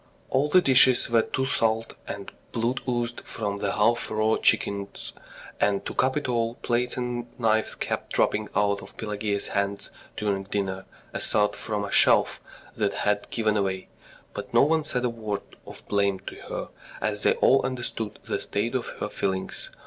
All the dishes were too salt, and blood oozed from the half raw chickens, and, to cap it all, plates and knives kept dropping out of Pelageya's hands during dinner, as though from a shelf that had given way; but no one said a word of blame to her, as they all understood the state of her feelings.